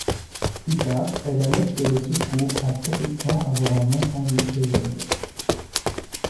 Plus tard, elle alerte les secours en prétextant avoir un incendie chez elle.